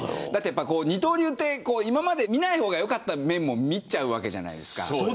二刀流は今まで見ない方がよかった面も見ちゃうわけじゃないですか。